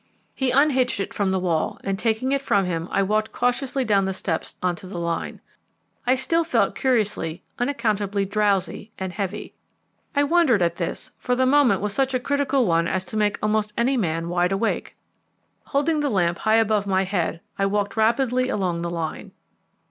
He unhitched it from the wall, and taking it from him, I walked cautiously down the steps on to the line. I still felt curiously, unaccountably drowsy and heavy. I wondered at this, for the moment was such a critical one as to make almost any man wide awake. Holding the lamp high above my head, I walked rapidly along the line.